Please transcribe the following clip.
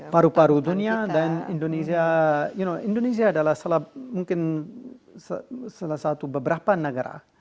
paru paru dunia dan indonesia adalah salah mungkin salah satu beberapa negara